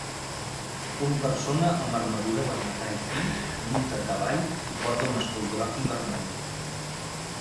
Un persona amb armadura de metall fi, munta a cavall i porta un escut groc i vermell.